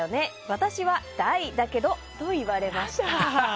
私は大だけどと言われました。